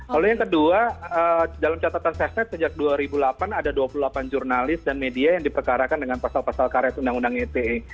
lalu yang kedua dalam catatan sesnet sejak dua ribu delapan ada dua puluh delapan jurnalis dan media yang diperkarakan dengan pasal pasal karet undang undang ite